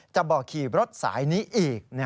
บอกขี่รถสายนี้อีก